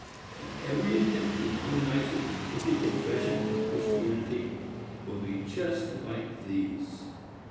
and every attempt to harmonize it with the profession of Christianity will be just like these.